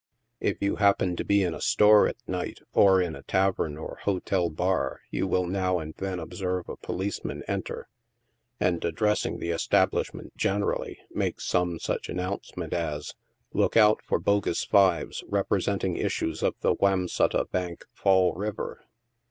If you hap pen to be in a store at night, or in a tavern or hotel bar, you will now and then observe a policeman enter, and, addressing the estab ment generally, make some such announcement as —" Look out for bogus fives, representing issues of the Wamsutta Bank, Fall River."